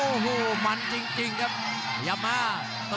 โอ้โหมันจริงครับพยายามมา